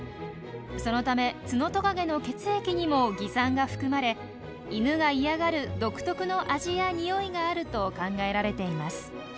そのためツノトカゲの血液にも蟻酸が含まれイヌが嫌がる独特の味や臭いがあると考えられています。